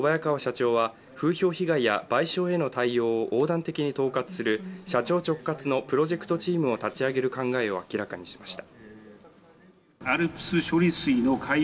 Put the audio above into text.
東電の小早川社長は風評被害や賠償への対応を横断的に統括する社長直轄のプロジェクトチームを立ち上げる考えを明らかにしました。